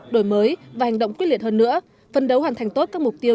đổi mới và hành động quyết liệt hơn nữa phân đấu hoàn thành tốt các mục tiêu